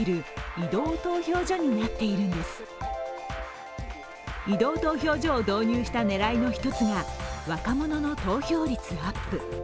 移動投票所を導入した狙いの一つが若者の投票率アップ。